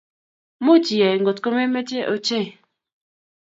Muuch iyay ngotkemeche ochei